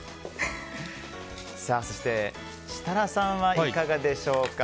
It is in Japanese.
そして、設楽さんはいかがでしょうか？